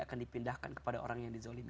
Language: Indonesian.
akan dipindahkan kepada orang yang dizolimi